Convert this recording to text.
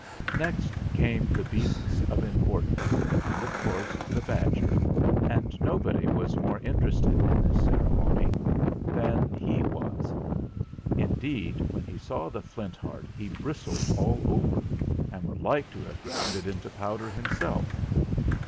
Next came the beasts of importance, and, of course, the badger, and nobody was more interested in this ceremony than he was. Indeed, when he saw the Flint Heart he bristled all over and would like to have ground it into powder himself.